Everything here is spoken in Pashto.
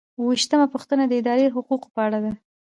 اووه ویشتمه پوښتنه د ادارې د حقوقو په اړه ده.